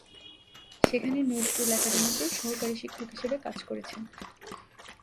সেখানে নজরুল একাডেমিতে সহকারী শিক্ষক হিসেবে কাজ করেছেন।